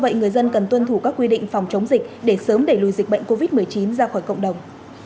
vậy người dân cần tuân thủ các quy định phòng chống dịch để sớm đẩy lùi dịch bệnh covid một mươi chín ra khỏi cộng đồng